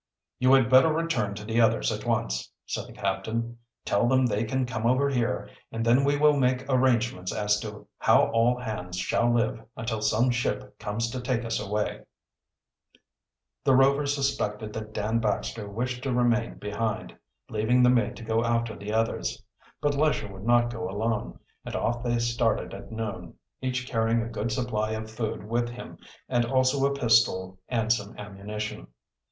"You had better return to the others at once," said the captain. "Tell them they can come over here, and then we will make arrangements as to how all hands shall live until some ship comes to take us away." The Rovers suspected that Dan Baxter wished to remain behind, leaving the mate to go after the others. But Lesher would not go alone, and off they started at noon, each carrying a good supply of food with him, and also a pistol and some ammunition.